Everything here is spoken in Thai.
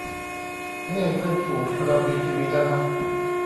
เฮ้ เพื่อนฝูง เรามีทีวีแล้วนะ